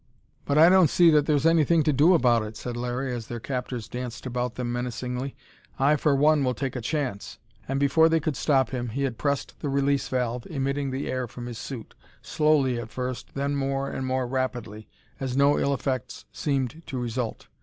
"But I don't see that there's anything to do about it," said Larry, as their captors danced about them menacingly. "I for one will take a chance!" And before they could stop him, he had pressed the release valve, emitting the air from his suit slowly, at first, then more and more rapidly, as no ill effects seemed to result.